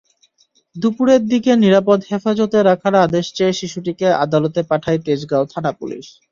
দুপুরের দিকে নিরাপদ হেফাজতে রাখার আদেশ চেয়ে শিশুটিকে আদালতে পাঠায় তেজগাঁও থানা-পুলিশ।